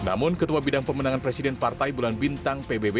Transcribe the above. namun ketua bidang pemenangan presiden partai bulan bintang pbb